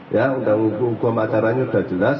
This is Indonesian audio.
ya undang hukum acaranya sudah jelas